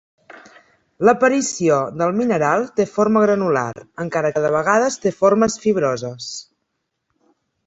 L'aparició del mineral té forma granular, encara que de vegades té formes fibroses.